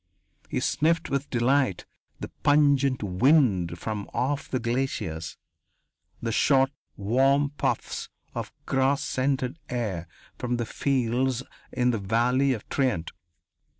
He sniffed with delight the pungent wind from off the glaciers, the short, warm puffs of grass scented air from the fields in the Valley of Trient.